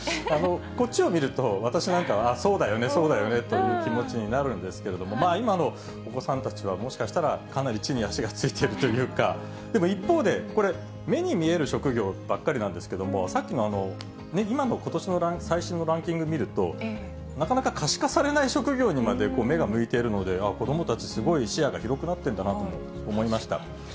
こっちを見ると、私なんかは、あっ、そうだよね、そうだよねという気持ちになるんですけれども、今のお子さんたちは、もしかしたら、かなり地に足がついてるというか、でも一方で、これ、目に見える職業ばっかりなんですけれども、さっきの、今のことしの最新のランキングを見ると、なかなか可視化されない職業にまで目が向いているので、あっ、子どもたち、すごい視野が広くなってるんだなと思いました。